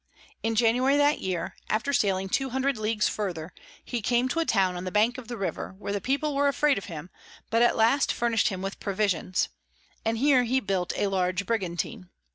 In January that Year, after sailing 200 Leagues further, he came to a Town on the Bank of the River, where the People were afraid of him, but at last furnish'd him with Provisions; and here he built a large Brigantine.